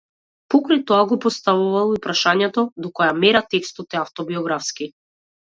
Покрај тоа го поставувал и прашањето до која мера текстот е автобиографски.